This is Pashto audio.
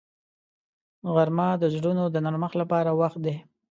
غرمه د زړونو د نرمښت لپاره وخت دی